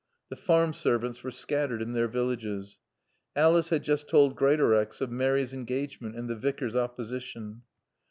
The farm servants were scattered in their villages. Alice had just told Greatorex of Mary's engagement and the Vicar's opposition.